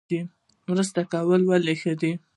مرسته کول ولې ښه دي؟